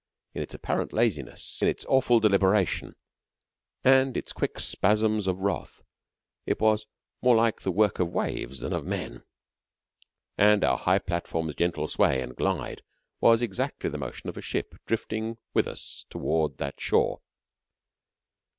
In its apparent laziness, in its awful deliberation, and its quick spasms of wrath, it was more like the work of waves than of men; and our high platform's gentle sway and glide was exactly the motion of a ship drifting with us toward that shore.